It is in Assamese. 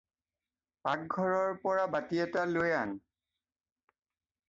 পাকঘৰৰ পৰা বাটি এটা লৈ আন।